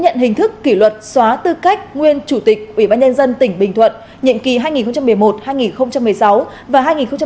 hình thức kỷ luật xóa tư cách nguyên chủ tịch ubnd tỉnh bình thuận nhiệm kỳ hai nghìn một mươi một hai nghìn một mươi sáu và hai nghìn một mươi sáu hai nghìn hai mươi một